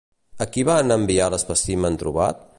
A qui van enviar l'espècimen trobat?